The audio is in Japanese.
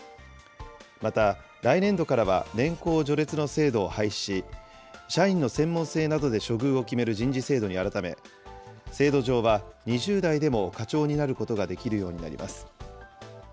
また、来年度からは年功序列の制度を廃止し、社員の専門性などで処遇を決める人事制度に改め、制度上は２０代でも課長になることができるようになります。